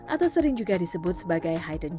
atau sering juga disebut sebagai hidden gem